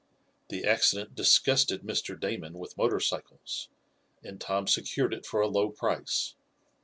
The accident disgusted Mr. Damon with motor cycles, and Tom secured it for a low price.